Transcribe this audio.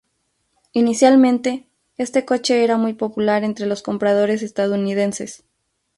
Inicialmente, este coche era muy popular entre los compradores estadounidenses.